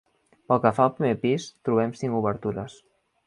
Pel que fa al primer pis, trobem cinc obertures.